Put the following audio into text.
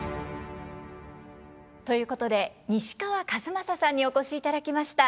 ということで西川千雅さんにお越しいただきました。